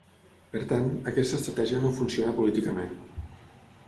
Per tant, aquesta estratègia no funciona políticament.